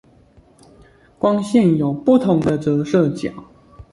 光線有不同的折射角